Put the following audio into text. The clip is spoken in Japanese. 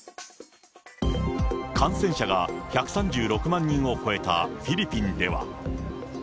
感染者が１３６万人を超えたフィリピンでは。